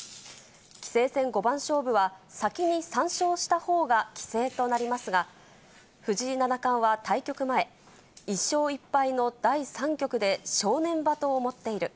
棋聖戦五番勝負は先に３勝したほうが規制となりますが、藤井七冠は対局前、１勝１敗の第３局で正念場と思っている。